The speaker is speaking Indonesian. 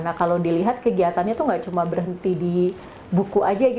nah kalau dilihat kegiatannya itu nggak cuma berhenti di buku